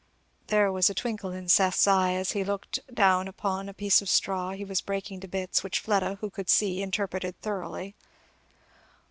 There was a twinkle in Seth's eye, as he looked down upon a piece of straw he was breaking to bits, which Fleda, who could see, interpreted thoroughly.